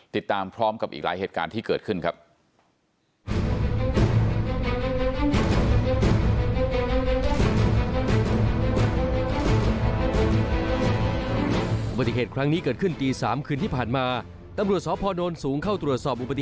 ติดตามพร้อมกับอีกหลายเหตุการณ์ที่เกิดขึ้นครับ